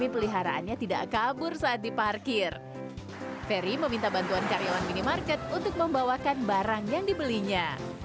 ferry meminta bantuan karyawan minimarket untuk membawakan barang yang dibelinya